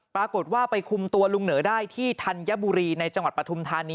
ปรากฏว่าไปคุมตัวลุงเหนอได้ที่ธัญบุรีในจังหวัดปฐุมธานี